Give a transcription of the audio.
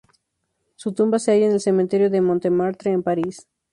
Su tumba se halla en el Cementerio de Montmartre, en París.